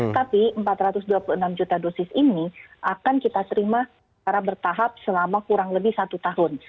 tapi empat ratus dua puluh enam juta dosis ini akan kita terima secara bertahap selama kurang lebih satu tahun